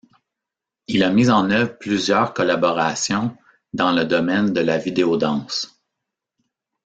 Il a mis en œuvre plusieurs collaborations dans le domaine de la vidéodanse.